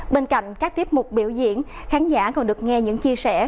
bên cạnh các tiếp mục biểu diễn khán giả còn được nghe những chia sẻ